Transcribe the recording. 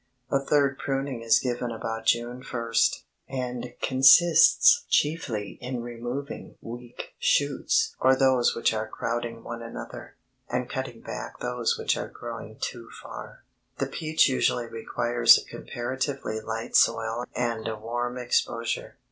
A third pruning is given about June first, and consists chiefly in removing weak shoots or those which are crowding one another, and cutting back those which are growing too far. [Illustration: FIG. 34 PEACH IN FAN ESPALIER ON WALL, ENGLAND] The peach usually requires a comparatively light soil and a warm exposure.